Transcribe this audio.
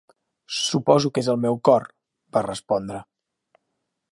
"Suposo que és el meu cor", va respondre.